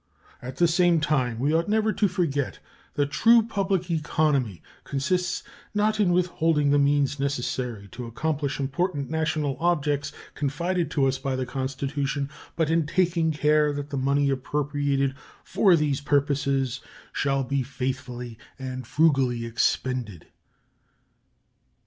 At the same time, we ought never to forget that true public economy consists not in withholding the means necessary to accomplish important national objects confided to us by the Constitution, but in taking care that the money appropriated for these purposes shall be faithfully and frugally expended.